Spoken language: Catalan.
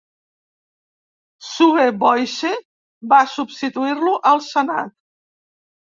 Sue Boyce va substituir-lo al senat.